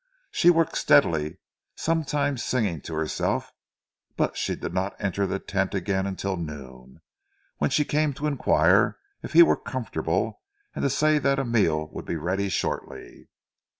She worked steadily, sometimes singing to herself, but she did not enter the tent again until noon, when she came in to inquire if he were comfortable and to say that a meal would be ready shortly.